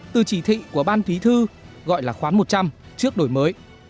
từ chỉ thị của ban thúy thư gọi là khoán một trăm linh trước đổi mới